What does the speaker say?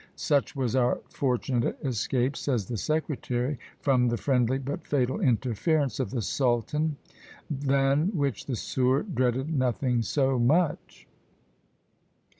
"Such was our fortunate escape," says the secretary, "from the friendly but fatal interference of the sultan, than which the sieur dreaded nothing so much."